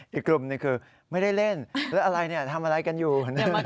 อีกกลุ่มหนึ่งคือไม่ได้เล่นแล้วอะไรทำอะไรกันอยู่